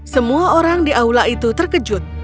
semua orang diaudah itu terkejut